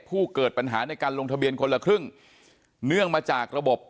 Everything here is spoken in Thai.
ผู้เกิดปัญหาในการลงทะเบียนคนละครึ่งเนื่องมาจากระบบ